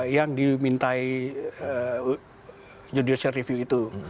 yang dimintai judicial review itu